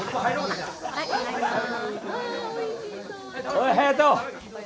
おい隼斗。